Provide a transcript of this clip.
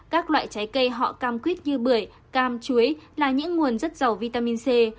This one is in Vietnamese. các loại trái cây họ cam quýt như bưởi cam chuối là những nguồn rất giàu vitamin c